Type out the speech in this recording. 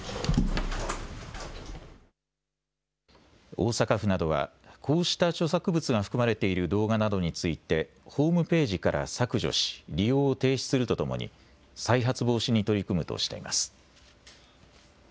大阪府などはこうした著作物が含まれている動画などについてホームページから削除し利用を停止するとともに再発防止に取り組むとしています。